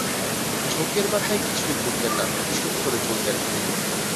অর্থাৎ, ঝোঁকের মাথায় কিছুই করতেন না, হিসেব করে চলতেন।